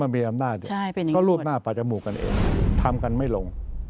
มีอำนาจก็รวบหน้าปัจจมูกกันเองทำกันไม่ลง